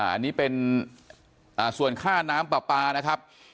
อันนี้เป็นส่วนค่าน้ำปลาปลานะครับ